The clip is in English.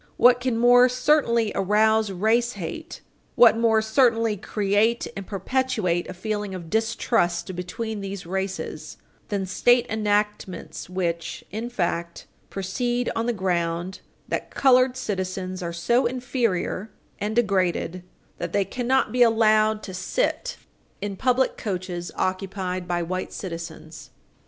What can more certainly arouse race hate, what more certainly create and perpetuate a feeling of distrust between these races, than state enactments which, in fact, proceed on the ground that colored citizens are so inferior and degraded that they cannot be allowed to sit in public coaches occupied by white citizens.